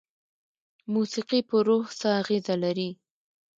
موسیقي په روح څه اغیزه لري؟